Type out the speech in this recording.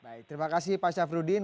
baik terima kasih pak syafruddin